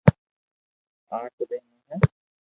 آٺ ٻينو ھي